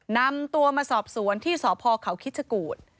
นำตัวมาสอบสวนที่สพเขาคิชกูธ